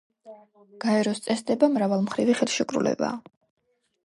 გაეროს წესდება მრავალმხრივი ხელშეკრულებაა.